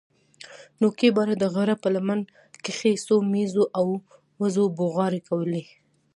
نوكي بره د غره په لمن کښې څو مېږو او وزو بوغارې کولې.